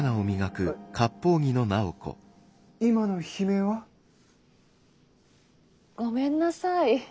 あ今の悲鳴は？ごめんなさい。